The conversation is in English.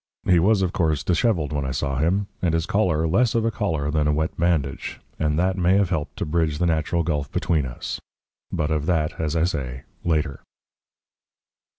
He was, of course, dishevelled when I saw him, and his collar less of a collar than a wet bandage, and that may have helped to bridge the natural gulf between us but of that, as I say, later.